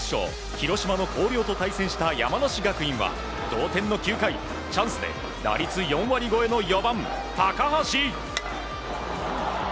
広島の広陵と対戦した山梨学院は同点の９回チャンスで打率４割超えの４番、高橋。